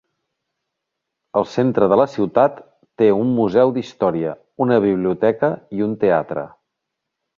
El centre de la ciutat té un museu d'història, una biblioteca i un teatre.